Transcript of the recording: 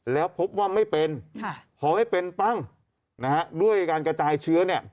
แล้วพบว่าไม่เป็นพอไม่เป็นปั้งนะฮะด้วยการกระจายเชื้อเนี่ย